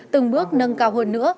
từng bước nâng cao hơn nữa